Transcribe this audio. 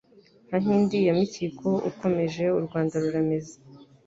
Nka Nkindi ya Mikiko Ukomeje u Rwanda rurameze.